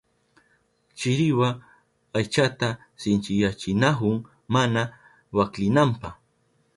Chiriwa aychata sinchiyachinahun mana waklinanpa.